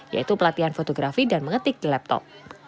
yaitu pelatihan fotografi dan mengetik di laptop